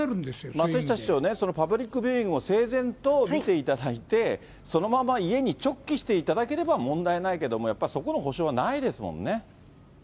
松下市長ね、パブリックビューイングを整然と見ていただいて、そのまま家に直帰していただければ問題ないけども、やっぱりそこの保証はないですもんね。